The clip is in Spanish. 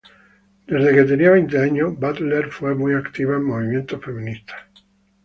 Desde que tenía veinte años, Butler fue muy activa en movimientos feministas.